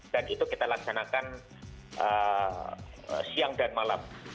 itu kita laksanakan siang dan malam